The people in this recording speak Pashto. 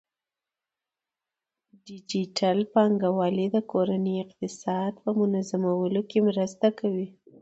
ډیجیټل بانکوالي د کورنۍ اقتصاد په منظمولو کې مرسته کوي.